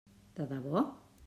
De debò?